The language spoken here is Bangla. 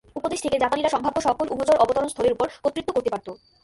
উপদেশ' থেকে জাপানিরা সম্ভাব্য সকল উভচর অবতরণস্থলের উপর কর্তৃত্ব করতে পারত।